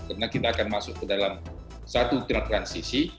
karena kita akan masuk ke dalam satu transisi